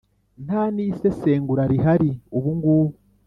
Ntanisesengura rihari ubungubu